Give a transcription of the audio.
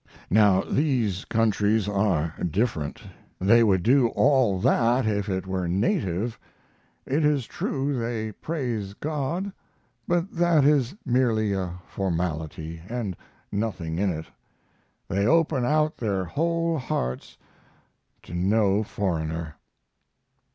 Now, these countries are different: they would do all that if it were native. It is true they praise God, but that is merely a formality, & nothing in it; they open out their whole hearts to no foreigner.